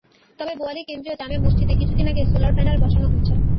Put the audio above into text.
তবে বোয়ালি কেন্দ্রীয় জামে মসজিদে কিছুদিন আগে সোলার প্যানেল বসানো হয়েছে।